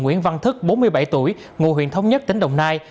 nguyễn văn thức bốn mươi bảy tuổi ngụ huyện thống nhất tỉnh đồng nai